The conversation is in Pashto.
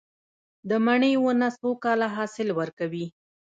د مڼې ونه څو کاله حاصل ورکوي؟